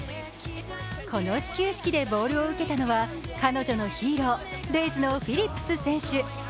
この始球式でボールを受けたのは彼女のヒーロー、レイズのフィリップス選手。